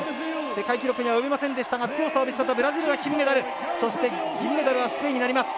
世界記録には及びませんでしたが強さを見せたブラジルが金メダル。そして銀メダルはスペインになります。